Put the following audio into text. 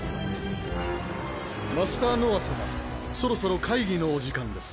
マスター・ノア様そろそろ会議のお時間です。